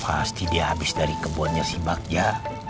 pasti dia habis dari kebunnya si bagja